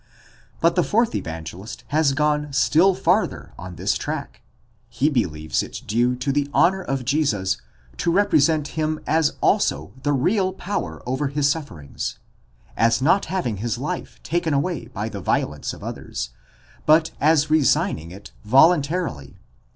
But the fourth Evangelist has gone still farther on this track; he believes it due to the honour of Jesus to represent him as also the veal power over his sufferings, as not having his life taken away by the vio lence of others, but as resigning it voluntarily (x.